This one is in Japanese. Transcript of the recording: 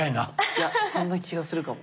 いやそんな気がするかも。